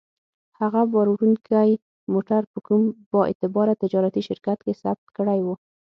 هغه باروړونکی موټر په کوم با اعتباره تجارتي شرکت کې ثبت کړی و.